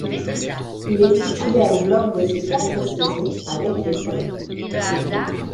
Il est titulaire lors de ses quatre saisons avec l'école.